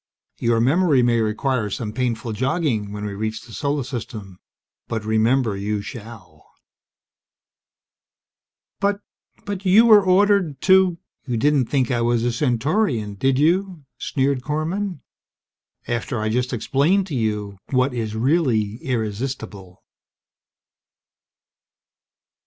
Your memory may require some painful jogging when we reach the Solar System; but remember you shall!" "But you you were ordered to ..." "You didn't think I was a Centaurian, did you?" sneered Korman. "After I just explained to you what is really irresistible?"